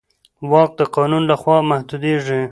واک د قانون له خوا محدودېږي.